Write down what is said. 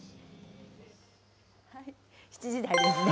７時台ですね。